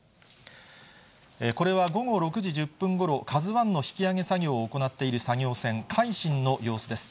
これは午後６時１０分ごろ、ＫＡＺＵＩの引き揚げ作業を行っている作業船、海進の様子です。